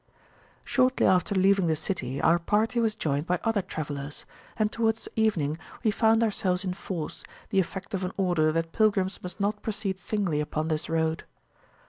Shortly after leaving the city, our party was joined by other travellers, and towards evening we found ourselves in force, the effect of an order that pilgrims must not proceed singly upon this road.